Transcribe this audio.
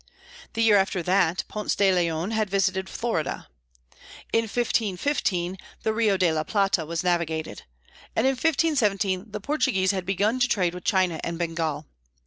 The year after that, Ponce de Leon had visited Florida. In 1515 the Rio de la Plata was navigated; and in 1517 the Portuguese had begun to trade with China and Bengal.